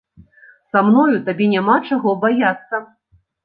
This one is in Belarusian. Са мною табе няма чаго баяцца.